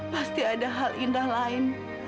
pasti ada hal indah lain